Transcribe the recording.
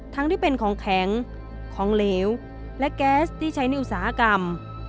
ทั้งที่เป็นของแข็งของเหลวและแก๊สที่ใช้ในอุตสาหกรรม